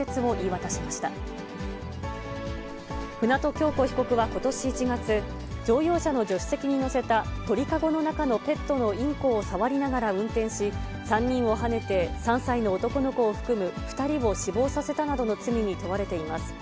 舟渡今日子被告はことし１月、乗用車の助手席に乗せた鳥籠の中のペットのインコを触りながら運転し、３人をはねて３歳の男の子を含む２人を死亡させたなどの罪に問われています。